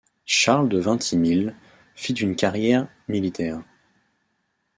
Charles de Vintimille fit une carrière militaire.